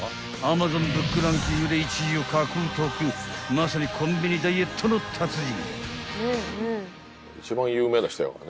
［まさにコンビニダイエットの達人］